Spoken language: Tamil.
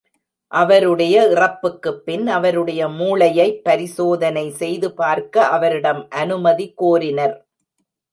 அவருடைய இறப்புக்குப் பின் அவருடைய மூளையைப் பரிசோதனை செய்து பார்க்க அவரிடம் அனுமதி கோரினர்.